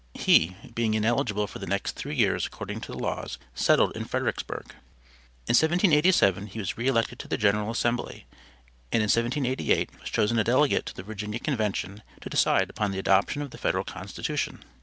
He, being inelligible for the next three years according to the laws, settled in Fredericksburg. In 1787 he was re elected to the general assembly, and in 1788 was chosen a delegate to the Virginia convention to decide upon the adoption of the Federal Constitution.